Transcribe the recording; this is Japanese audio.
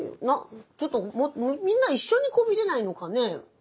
ちょっとみんな一緒にこう見れないのかね？